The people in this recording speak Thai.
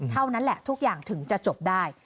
เท่านั้นแหละทุกอย่างถึงจะจบได้